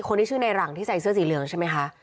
ชื่อในหลังที่ใส่เสื้อสีเหลืองใช่ไหมคะ